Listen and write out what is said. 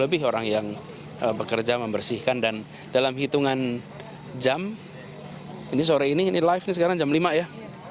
lebih orang yang bekerja membersihkan dan dalam hitungan jam ini sore ini ini live ini sekarang jam lima ya